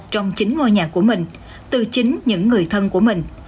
trong chính ngôi nhà của mình từ chính những người thân của mình